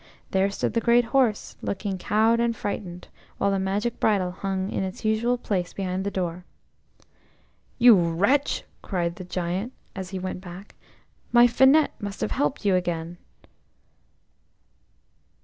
There stood the great horse, looking cowed and frightened, while the magic bridle hung in its usual place behind the door. "You wretch," cried the Giant, as he went back. "My Finette must have helped you again!"